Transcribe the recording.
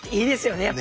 やっぱり。